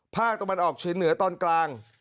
ภาคตรงมันออกชิ้นเหนือตอนกลาง